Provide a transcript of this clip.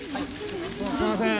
すいません！